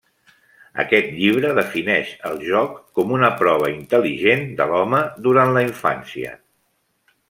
Aquest llibre defineix el joc com una prova intel·ligent de l'home durant la infància.